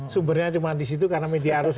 sumbernya cuma disitu karena media harus